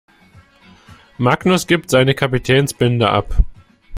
Magnus gibt seine Kapitänsbinde ab.